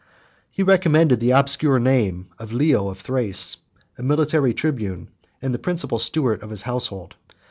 He recommended the obscure name of Leo of Thrace, a military tribune, and the principal steward of his household.